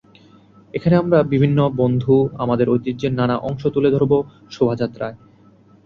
এখানে আমরা বিভিন্ন বন্ধু আমাদের ঐতিহ্যের নানা অংশ তুলে ধরব শোভাযাত্রায়।